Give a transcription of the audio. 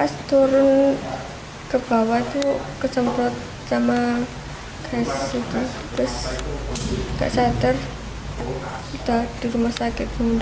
selama gas itu terus gak seter kita di rumah sakit